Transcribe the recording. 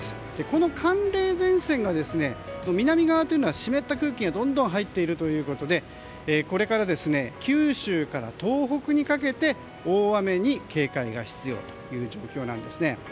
この寒冷前線が南側というのは湿った空気がどんどん入っているということでこれから九州から東北にかけて大雨に警戒が必要という状況なんですね。